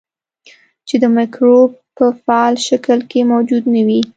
چې د مکروب په فعال شکل کې موجود نه وي.